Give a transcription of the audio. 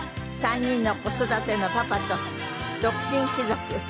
３人の子育てのパパと独身貴族。